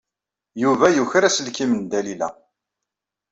Yuba yuker aselkim n Dalila.